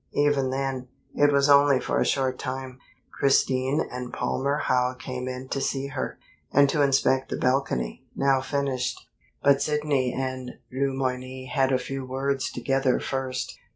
Even then, it was only for a short time. Christine and Palmer Howe came in to see her, and to inspect the balcony, now finished. But Sidney and Le Moyne had a few words together first.